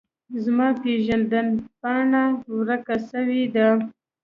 زما پیژند پاڼه ورکه سویده